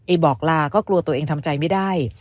บอกลาก็กลัวตัวเองทำใจไม่ได้